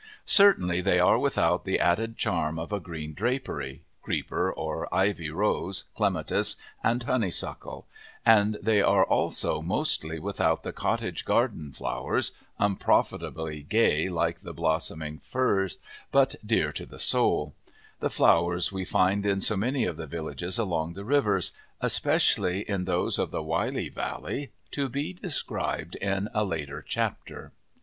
Certainly they are without the added charm of a green drapery creeper or ivy rose, clematis, and honeysuckle; and they are also mostly without the cottage garden flowers, unprofitably gay like the blossoming furze, but dear to the soul: the flowers we find in so many of the villages along the rivers, especially in those of the Wylye valley to be described in a later chapter.